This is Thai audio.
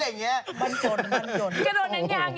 เบันยนต์ล่ะเบันยนต์ล่ะ